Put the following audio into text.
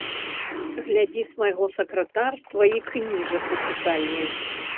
Глядзі свайго сакратарства й кніжак у чытальні.